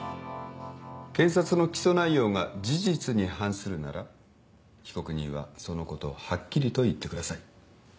検察の起訴内容が事実に反するなら被告人はそのことをはっきりと言ってください。